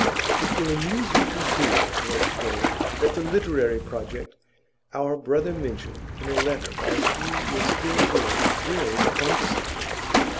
'It will amuse you to hear,' wrote Dora, 'that the literary project our brother mentioned in a letter whilst you were still here is really to come to something.